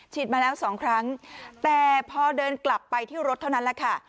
มาแล้วสองครั้งแต่พอเดินกลับไปที่รถเท่านั้นแหละค่ะ